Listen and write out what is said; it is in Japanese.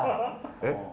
えっ？